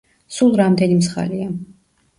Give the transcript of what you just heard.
სულ რამდენი მსხალია?